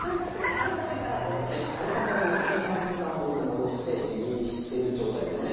春雨は熱湯に３分間ほどおいて戻して湯ぎりしてる状態ですね。